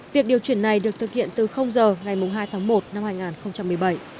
việc điều chuyển này được thực hiện từ giờ ngày hai tháng một năm hai nghìn một mươi bảy